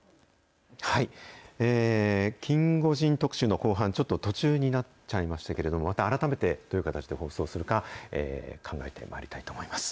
キンゴジン特集の後半、ちょっと途中になっちゃいましたけれども、また改めて、どういう形で放送するか、考えてまいりたいと思います。